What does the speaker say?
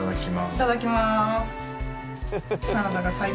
いただきます。